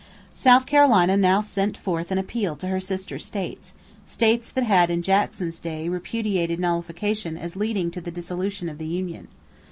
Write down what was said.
] South Carolina now sent forth an appeal to her sister states states that had in Jackson's day repudiated nullification as leading to "the dissolution of the union."